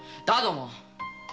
だども。